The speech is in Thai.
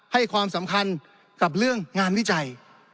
ให้ความสำคัญกับเรื่องงานวิจัย